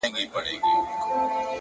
خاموش صبر لوی بدلون زېږوي.!